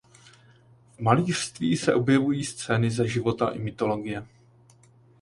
V malířství se objevují scény ze života i mytologie.